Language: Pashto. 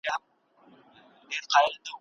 که تاسي پانګونه ونه کړئ، پرمختګ ناسونی دی.